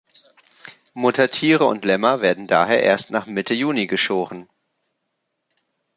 Muttertiere und Lämmer werden daher erst nach Mitte Juni geschoren.